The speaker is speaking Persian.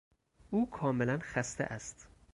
او کاملا خسته است.